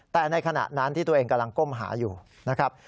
แต่ในขณะนั้นที่ตัวเองกำลังก้มหาอยู่นะครับ